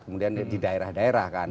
kemudian di daerah daerah kan